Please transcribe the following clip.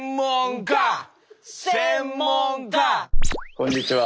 こんにちは。